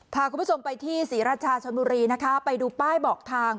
พาคุณผู้ชมไปที่ศรีราชาชนบุรีนะคะไปดูป้ายบอกทาง